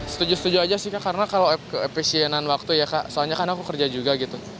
setuju setuju aja sih kak karena kalau keepisienan waktu ya kak soalnya kan aku kerja juga gitu